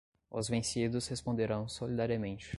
os vencidos responderão solidariamente